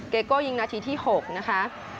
โกโก้ยิงนาทีที่๖นะคะ